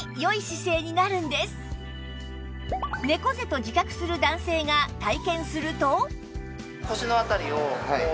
猫背と自覚する男性が体験すると